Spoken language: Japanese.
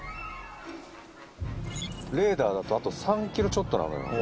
レーダーだとあと３ｋｍちょっとなのよ。